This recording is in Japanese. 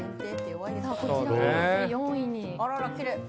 こちら、なぜ４位に？